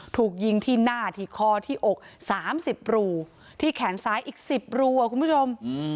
ถูกยิงที่หน้าที่คอที่อก๓๐รูที่แขนซ้ายอีก๑๐รูคุณผู้ชม